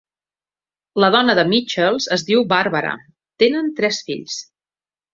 La dona de Michels es diu Barbara; tenen tres fills.